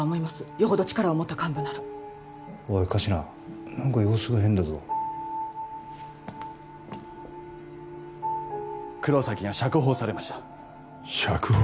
よほど力を持った幹部ならおい神志名何か様子が変だぞ黒崎が釈放されました釈放？